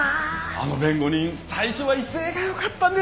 あの弁護人最初は威勢が良かったんですけどね。